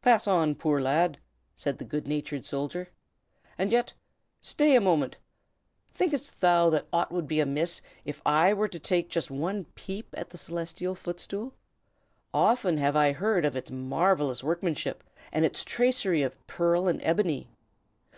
"Pass on, poor lad!" said the good natured soldier. "And yet stay a moment! thinkest thou that aught would be amiss if I were to take just one peep at the Celestial Footstool? Often have I heard of its marvellous workmanship, and its tracery of pearl and ebony.